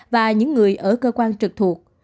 và những người ở cơ quan trực thuộc